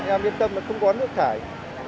em yên tâm là không có nước thải